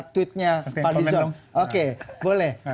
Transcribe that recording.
tweetnya pak dizon oke boleh